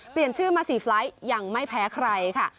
เปลี่ยนชื่อมา๔ไฟล์ทยังไม่แพ้ใครค่ะ